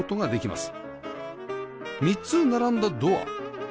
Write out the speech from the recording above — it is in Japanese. ３つ並んだドア